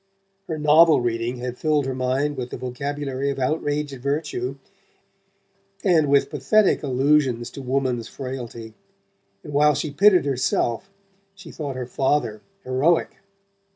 Her novel reading had filled her mind with the vocabulary of outraged virtue, and with pathetic allusions to woman's frailty, and while she pitied herself she thought her father heroic.